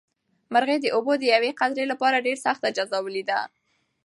مرغۍ د اوبو د یوې قطرې لپاره ډېره سخته جزا ولیده.